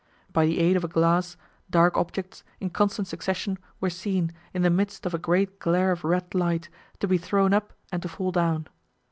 By the aid of a glass, dark objects, in constant succession, were seen, in the midst of a great glare of red light, to be thrown up and to fall down.